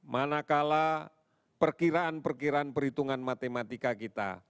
manakala perkiraan perkiraan perhitungan matematika kita